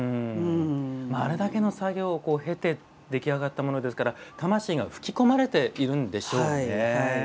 あれだけの作業を経て出来上がったものですから魂が吹き込まれているんでしょうね。